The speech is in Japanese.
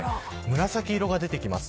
紫色が出てきます。